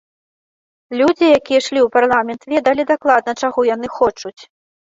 Людзі, якія ішлі ў парламент, ведалі дакладна, чаго яны хочуць.